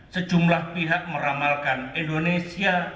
sejumlah pihak meramalkan indonesia